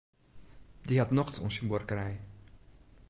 Dy hat nocht oan syn buorkerij.